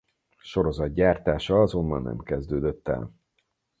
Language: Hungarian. Sorozatgyártása azonban nem kezdődött el.